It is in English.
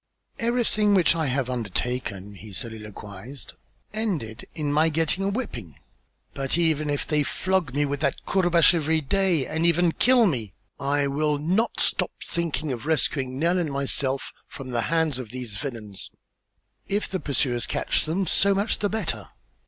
"Everything which I have undertaken," he soliloquized, "ended in my getting a whipping. But even if they flog me with that courbash every day and even kill me, I will not stop thinking of rescuing Nell and myself from the hands of these villains. If the pursuers capture them, so much the better.